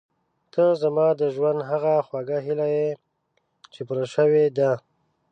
ته زما د ژوند هغه خوږه هیله یې چې پوره شوې ده.